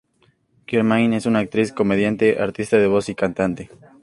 Germain, es una actriz, comediante, artista de voz y cantante.